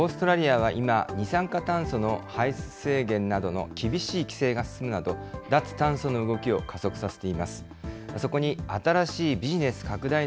オーストラリアは今、二酸化炭素の排出制限などの厳しい規制が進むなど、脱炭素の動きを加速させています。